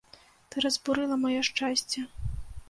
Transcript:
Ты разбурыла маё шчасце.